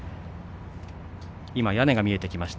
今、屋根が見えてきました。